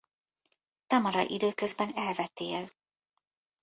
Tamara időközben elvetél.